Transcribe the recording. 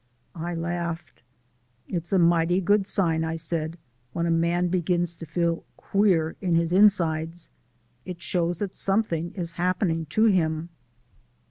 I laughed. "It's a mighty good sign," I said, "when a man begins to feel queer in the insides. It shows that something is happening to him."